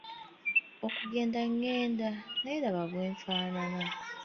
Okugenda ngenda naye laba bwenfaanana.